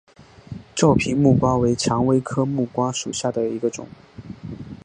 皱皮木瓜为蔷薇科木瓜属下的一个种。